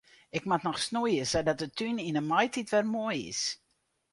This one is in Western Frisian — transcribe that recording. Ik moat noch snoeie sadat de tún yn de maitiid wer moai is.